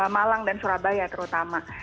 malang dan surabaya terutama